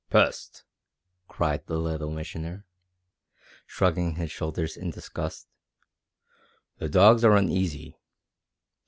"Pest!" cried the Little Missioner, shrugging his shoulders in disgust. "The dogs are uneasy.